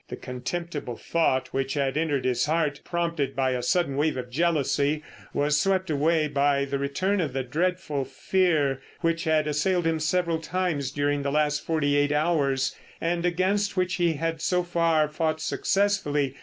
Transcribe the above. The contemptible thought which had entered his heart, prompted by a sudden wave of jealousy, was swept away by the return of the dreadful fear which had assailed him several times during the last forty eight hours, and against which he had so far fought successfully.